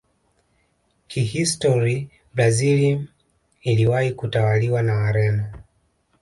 kihistori brazil iliwahi kutawaliwa na Wareno